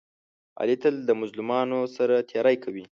علي تل د مظلومانو سره تېری کوي.